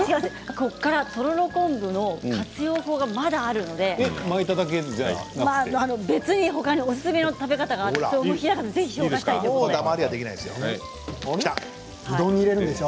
ここからとろろ昆布の活用法がまだあるので別に他におすすめの食べ方があるんです。